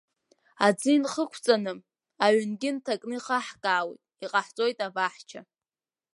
Аӡы инхықәҵаны, аҩнгьы нҭакны ихаҳкаауеит, иҟаҳҵоит абаҳча.